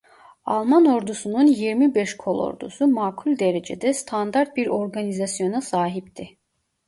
Alman Ordusu'nun yirmi beş kolordusu makul derecede standart bir organizasyona sahipti.